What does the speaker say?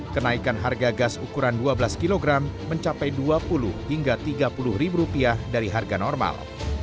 kenaikan harga gas ukuran dua belas kg mencapai dua puluh hingga tiga puluh ribu rupiah dari harga normal